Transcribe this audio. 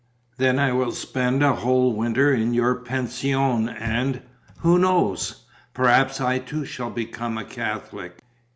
Then I will spend a whole winter in your pension and who knows? perhaps I too shall become a Catholic.